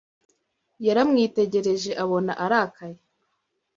Yaramwitegereje abona arakaye.